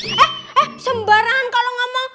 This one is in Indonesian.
eh eh sembarangan kalau nggak mau